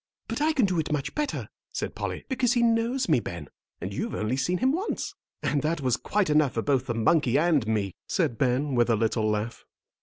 "But I can do it much better," said Polly, "because he knows me, Ben, and you've only seen him once." "And that was quite enough for both the monkey and me," said Ben, with a little laugh.